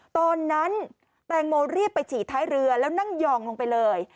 ตอนนั้นแตงโมรีบไปฉีดท้ายเรือแล้วนั่งยองลงไปเลย